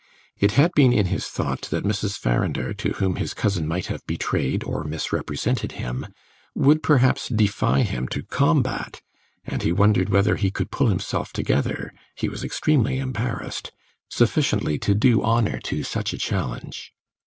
It had been in his thought that Mrs. Farrinder, to whom his cousin might have betrayed or misrepresented him, would perhaps defy him to combat, and he wondered whether he could pull himself together (he was extremely embarrassed) sufficiently to do honour to such a challenge.